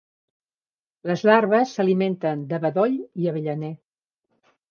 Les larves s'alimenten de bedoll i avellaner.